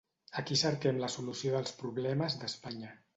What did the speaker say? Aquí cerquem la solució dels problemes d’Espanya.